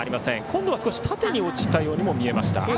今度は少し縦に落ちたようにも見えました。